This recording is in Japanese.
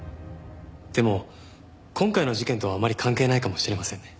でも今回の事件とはあまり関係ないかもしれませんね。